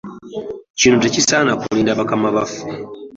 Kino tekisaana kulinda bakama baffe.